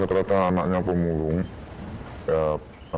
keempatnya mungkin gantinya mokok diri